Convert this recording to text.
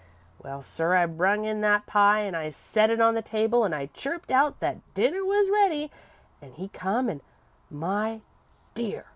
"Well, sir, I brung in that pie, an' I set it on the table, an' I chirped out that dinner was ready, an' he come, an' my dear!